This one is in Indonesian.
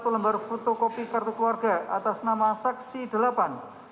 satu lembar fotokopi akta keluarga atas nama anak korban sembilan